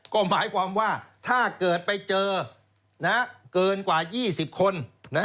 ก็หมายความว่าถ้าเกิดไปเจอเกินกว่า๒๐คน